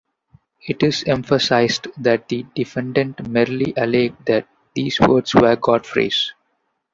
It is emphasised that the Defendant merely alleged that these words were Godfrey's.